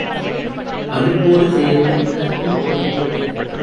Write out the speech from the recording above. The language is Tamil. அடுப்போடு சேர்ந்து விளக்கும் எரியவில்லை.